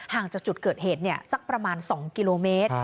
จากจุดเกิดเหตุสักประมาณ๒กิโลเมตร